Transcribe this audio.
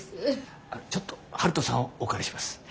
ちょっと春風さんをお借りします。